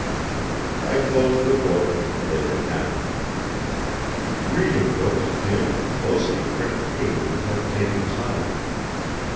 I closed the book and laid it down. Reading those dim, closely printed pages had taken time.